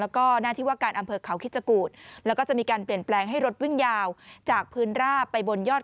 แล้วก็หน้าที่ว่าการอำเภอเขาคิจกรูด